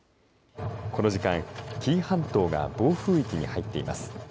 この時間、紀伊半島が暴風域に入っています。